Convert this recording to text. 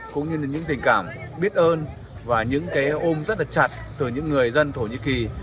cũng như là những tình cảm biết ơn và những cái ôm rất là chặt từ những người dân thổ nhĩ kỳ